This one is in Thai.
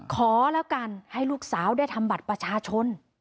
ขอแล้วกันให้ลูกสาวได้ทำบัตรประชาชน